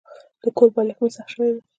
د کور بالښت مې سخت شوی و.